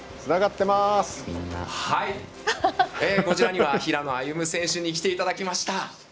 こちらには平野歩夢選手に来ていただきました。